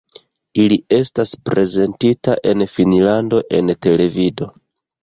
Ili estas prezentita en Finnlando en televido.